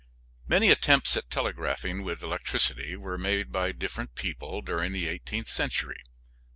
Many attempts at telegraphing with electricity were made by different people during the eighteenth century.